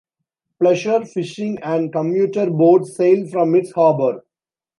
Pleasure, fishing and commuter boats sail from its harbor.